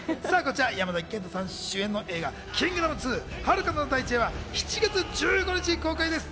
山崎健人さん主演の映画『キングダム２遥かなる大地へ』は７月１５日公開です。